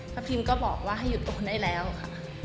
พิมก็บอกว่าให้หยุดตูนได้แล้วค่ะ